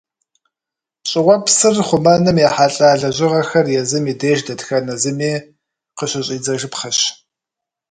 Щӏыуэпсыр хъумэным ехьэлӀа лэжьыгъэхэр езым и деж дэтхэнэ зыми къыщыщӀидзэжыпхъэщ.